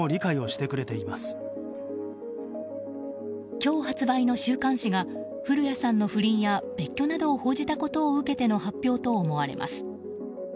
今日発売の週刊誌が降谷さんの不倫や別居などを報じたことを受けての発表と思われます。